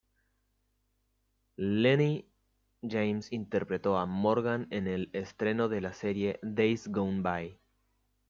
Lennie James interpretó a Morgan en el estreno de la serie "Days Gone Bye".